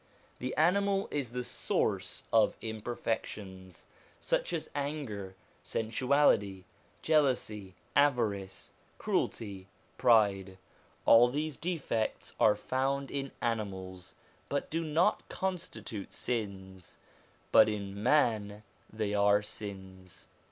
The animal is the source of imperfections, such as anger, sensuality, jealousy, avarice, cruelty, pride: all these defects are found in animals, but do not constitute sins. But in man they are sins.